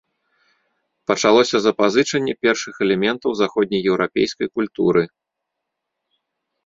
Пачалося запазычанне першых элементаў заходнееўрапейскай культуры.